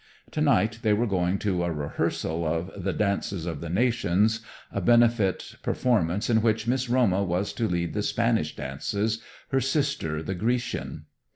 Tonight they were going to a rehearsal of "The Dances of the Nations," a benefit performance in which Miss Roma was to lead the Spanish dances, her sister the Grecian.